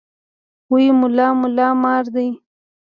وې ملا ملا مار دی.